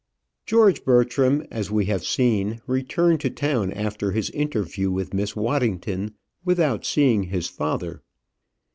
George Bertram, as we have seen, returned to town after his interview with Miss Waddington without seeing his father.